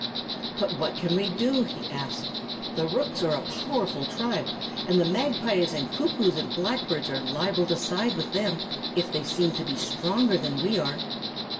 "But what can we do?" he asked. "The rooks are a very powerful tribe, and the magpies and cuckoos and blackbirds are liable to side with them, if they seem to be stronger than we are."